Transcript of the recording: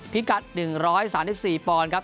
พี่กัด๑๓๔ปอนครับ